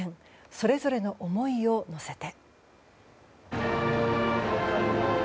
それぞれの思いを乗せて。